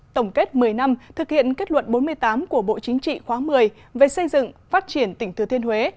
tổng kết một mươi năm thực hiện kết luận bốn mươi tám của bộ chính trị khóa một mươi về xây dựng phát triển tỉnh thừa thiên huế